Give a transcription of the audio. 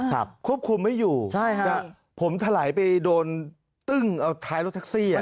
ควบคุมไม่อยู่ผมถรายไปโดนตึ่งแท้รถทักซี